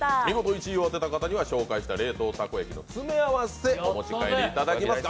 見事１位を当てた方には冷凍たこ焼きの詰め合わせお持ち帰りいただきます。